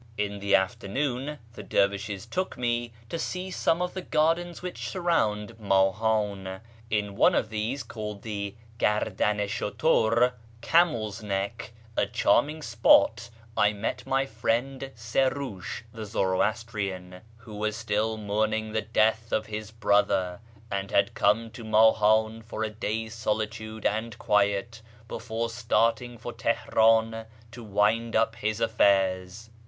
In the afternoon the dervishes took me to see some of the gardens which surround Mahan. In one of these, called the Gardan i Slmtw (" Camel's Neck"), a charming spot, I met my friend Serush, the Zoroastrian, who was still mourning the death of' his brother, and had come to Mahan for a day's solitude and quiet before starting for Teheran to wind up his affairs.